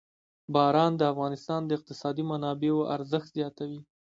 باران د افغانستان د اقتصادي منابعو ارزښت زیاتوي.